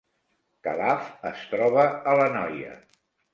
Calaf es troba a l’Anoia